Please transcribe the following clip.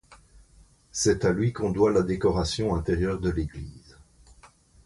C'est à lui qu'on doit la décoration intérieure de l'église.